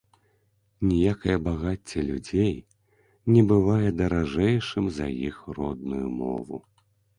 Ніякае багацце людзей не бывае даражэйшым за іх родную мову